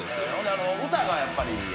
歌がやっぱり。